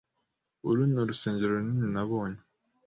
Uru ni urusengero runini nabonye.